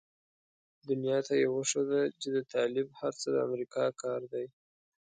دنيا ته يې وښوده چې د طالب هر څه د امريکا کار دی.